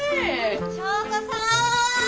・祥子さん！